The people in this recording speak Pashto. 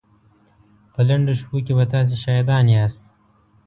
په لنډو شپو کې به تاسې شاهدان ياست.